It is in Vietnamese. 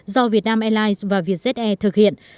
do vietnam airlines và vietjet air thực hiện